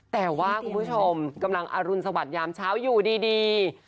แต่ว่าคุณผู้ชมกำลังอรุณสวัสดิยามเช้าอยู่ดี